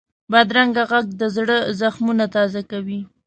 بدرنګه غږ د زړه زخمونه تازه کوي